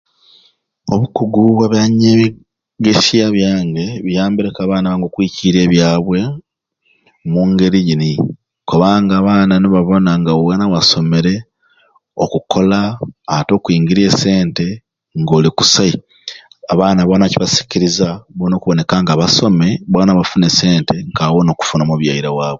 Obukugu bwa bya nyegesya byange biyambireku abaana bange okwikirya ebyabwe mungeri gini. Kubanga abaana nebabona nga wena wasomere okukola ate okwingira esente nga oli kusai abaana bona kibasikiriza bona okuboneka basome bona bafune esnte kawe nokufuna omubyere waabwe